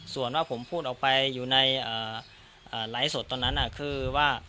ส่วนว่าผมพูดออกไปอยู่ในไลฟ์สดตอนนั้นคือว่า